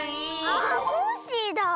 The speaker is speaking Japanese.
あコッシーだ！